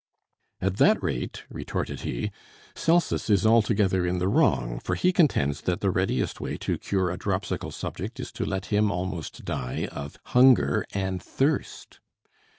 "At that rate," retorted he, "Celsus is altogether in the wrong; for he contends that the readiest way to cure a dropsical subject is to let him almost die of hunger and thirst."